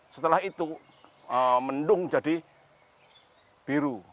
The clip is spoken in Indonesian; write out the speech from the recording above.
setelah itu mendung jadi biru